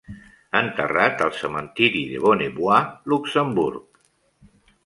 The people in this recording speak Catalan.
Enterrat al cementiri de Bonnevoie, Luxemburg.